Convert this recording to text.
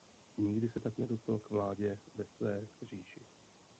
Nikdy se tak nedostal k vládě ve své říši.